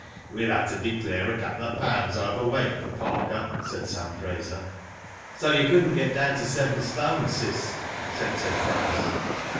"We've had to declare a couple of pounds over weight for Parker," said Sam Fraser. " So you couldn't get down to yst., Cis," said Ted Bryce.